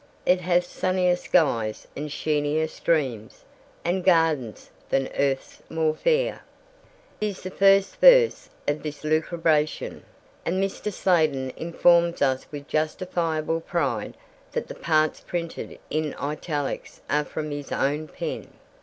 It hath sunnier skies and sheenier streams, And gardens than Earth's more fair, is the first verse of this lucubration, and Mr. Sladen informs us with justifiable pride that the parts printed in italics are from his own pen!